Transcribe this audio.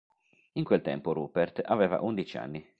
In quel tempo Rupert aveva undici anni.